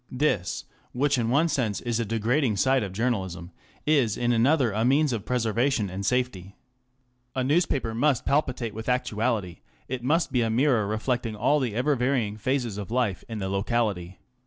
This, which in one sense is a degrading side of journalism, is in another a means of preserva tion and safety. A newspaper must " palpitate with actuality it must be a mirror reflecting all the ever varying phases of life in the locality.